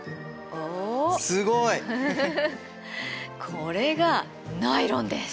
これがナイロンです。